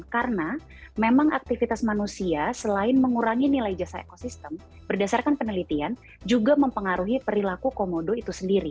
karena memang aktivitas manusia selain mengurangi nilai jasa ekosistem berdasarkan penelitian juga mempengaruhi perilaku komodo itu sendiri